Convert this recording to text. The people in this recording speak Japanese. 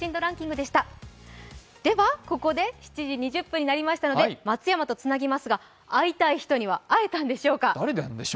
ここで７時２０分になりましたので松山とつなぎますが会いたい人には会えたんでしょうか。